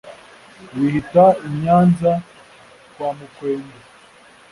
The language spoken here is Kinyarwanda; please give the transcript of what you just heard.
Bihita i Nyanza kwa Mukwende